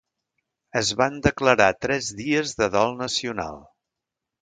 Es van declarar tres dies de dol nacional.